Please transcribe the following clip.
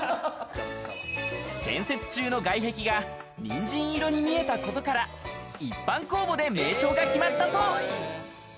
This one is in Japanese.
建設中の外壁がニンジン色に見えたことから、一般公募で名称が決まったそう。